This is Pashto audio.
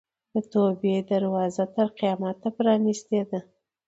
د توبې دروازه تر قیامته پرانستې ده.